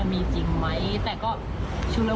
มีอะไรมันเป็นตุ๊กตา